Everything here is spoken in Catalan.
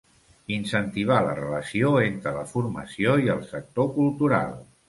Incentivar la relació entre la formació i el sector cultural.